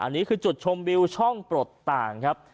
อันนี้คือจุดชมวิวช่องปลดต่างครับ